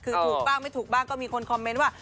คือถูกบ้างไม่ถูกบ้างก็มีคนคอมเมนต์ว่า